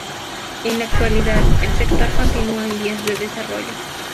En la actualidad, el sector continúa en vías de desarrollo.